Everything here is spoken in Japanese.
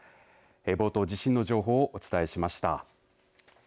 冒頭、地震の情報をお伝えしました。